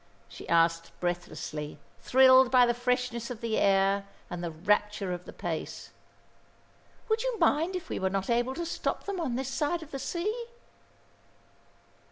she asked breathlessly, thrilled by the freshness of the air and the rapture of the pace. "Would you mind if we were not able to stop them on this side of the sea?"